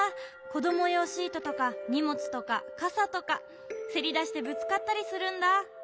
こどもようシートとかにもつとかかさとか。せりだしてぶつかったりするんだ。